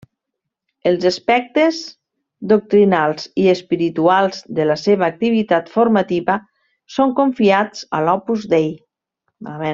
Els aspectes doctrinals i espirituals de la seva activitat formativa són confiats a l'Opus Dei.